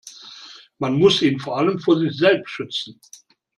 Man muss ihn vor allem vor sich selbst schützen.